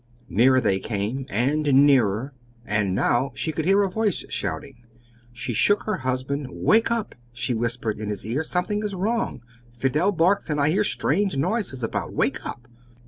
Nearer they came, and nearer, and now she could hear a voice shouting. She shook her husband. "Wake up!" she whispered in his ear, "something is wrong! Fidel barks, and I hear strange noises about. Wake up!"